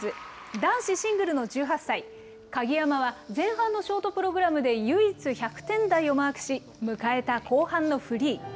男子シングルの１８歳、鍵山は前半のショートプログラムで唯一、１００点台をマークし、迎えた後半のフリー。